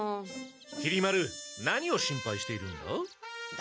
きり丸何を心配しているんだ？